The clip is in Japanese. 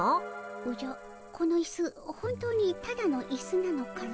おじゃこのイス本当にただのイスなのかの？